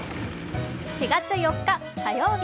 ４月４日火曜日